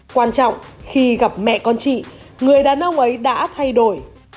quan trọng khi gặp mẹ con chị người đàn ông ấy đã thay đổi